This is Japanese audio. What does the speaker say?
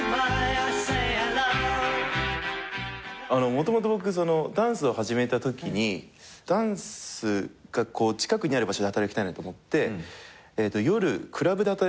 もともと僕ダンスを始めたときにダンスが近くにある場所で働きたいなと思って夜クラブで働いてたんですよ。